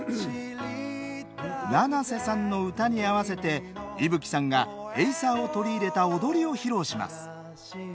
七星さんの歌に合わせて維吹さんが「エイサー」を取り入れた踊りを披露します。